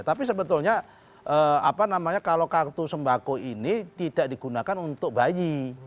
tapi sebetulnya apa namanya kalau kartu sembako ini tidak digunakan untuk bayi